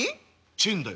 チェンだよ。